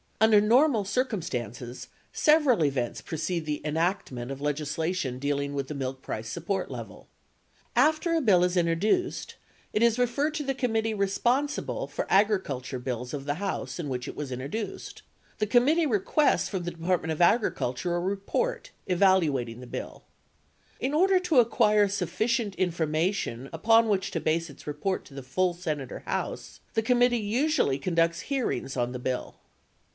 Under normal circumstances, several events precede the enactment of legisla tion dealing with the milk price support level. After a bill is intro duced, it is referred to the committee responsible for agriculture bills of the House in which it is introduced. The committee requests from the Department of Agriculture a report evaluating the bill. In order to acquire sufficient information upon Which to base its report to the full Senate or House, the committee usually conducts hearings on the bill.